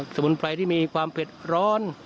สมุนไพรที่มีความเผ็ดร้อน